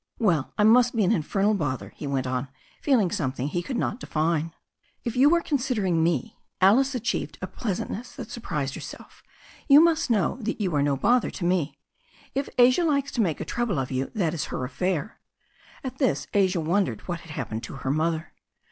"Well, I must be an infernal bother/' he went on, feeling something he could not define. "If you are considering me," Alice achieved a pleasant ness that surprised herself, "you must know that you are no bother to me. If Asia likes to make a trouble of you that is her affair." At this Asia wondered what had happened to her mother.